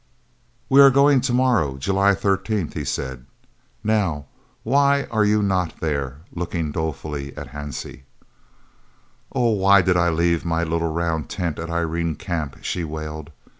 "We are going to morrow [July 13th]," he said. "Now, why are you not there?" looking dolefully at Hansie. "Oh, why did I leave my little round tent at Irene Camp?" she wailed.